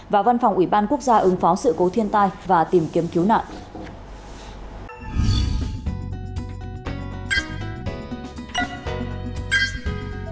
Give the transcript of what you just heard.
và văn phòng ủy ban quốc gia ứng phó sự cố thiên tai và tìm kiếm cứu nạn